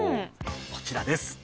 こちらです。